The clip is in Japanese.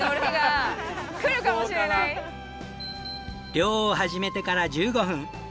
漁を始めてから１５分。